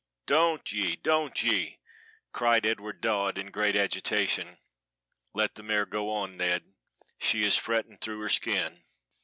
doant ye! doant ye!" cried Edward Dodd in great agitation. "Let the mare go on, Ned; she is fretting through her skin."